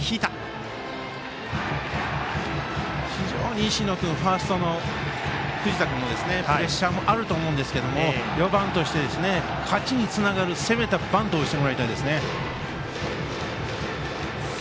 非常に石野君ファーストの藤田君もプレッシャーがあると思いますが石野君は４番として勝ちにつながる攻めたバントをしてもらいたいですね。